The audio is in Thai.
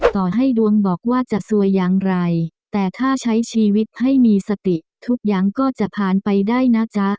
ต่อให้ดวงบอกว่าจะสวยอย่างไรแต่ถ้าใช้ชีวิตให้มีสติทุกอย่างก็จะผ่านไปได้นะจ๊ะ